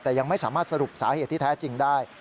แต่ยังไม่สามารถสรุปสาเหตุที่แท้จริงได้